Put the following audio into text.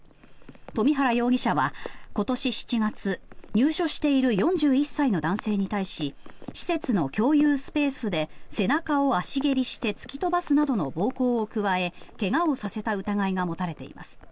冨原容疑者は今年７月入所している４１歳の男性に対し施設の共有スペースで背中を足蹴りして突き飛ばすなどの暴行を加え、怪我をさせた疑いが持たれています。